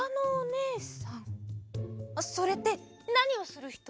それってなにをするひと？